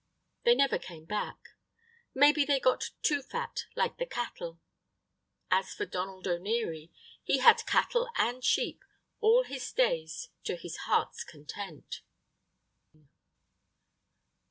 They never came back. Maybe they got too fat, like the cattle. As for Donald O'Neary, he had cattle and sheep all his days to his heart's content.